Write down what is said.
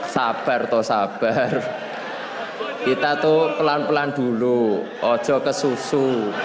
sabar atau sabar kita tuh pelan pelan dulu ojo ke susu